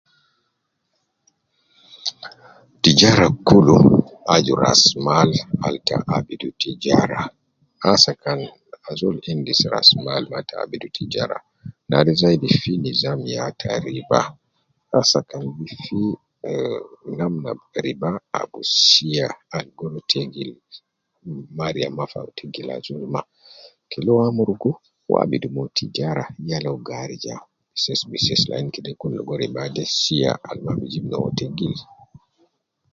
Tijara kulu aju ras mal al ta abidu tijara ,asa kan azol endis ras mal ma ta abidu tijara, nare zaidi fi nizam ya ta riba, asa kan gi fi eh, namna te riba ab sia ab gi rua tegil ,mariya maf ab kila tegil ajol ma, kede uwo amurugu ,uwo abidu Mo tijara yala uwo gi arija bises bises , lakin kede kun ligo riba de sia ,al ma bi jib no tegil